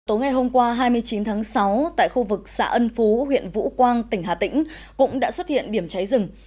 tối ngày hôm qua hai mươi chín tháng sáu tại khu vực xã ân phú huyện vũ quang tỉnh hà tĩnh cũng đã xuất hiện điểm cháy rừng